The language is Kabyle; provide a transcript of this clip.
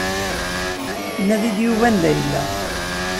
Nadi-d Yuba anda yella.